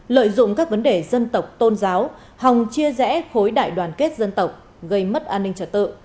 lợi dụng các vấn đề dân tộc tôn giáo hòng chia rẽ khối đại đoàn kết dân tộc gây mất an ninh trật tự